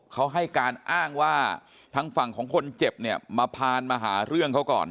เขาให้การอ้างว่าทางฝั่งของคนเจ็บเนี่ยมาพานมาหาเรื่องเขาก่อน